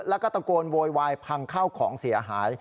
แล้วก็ตะโกนโวยวายพังเข้าของเสียหาย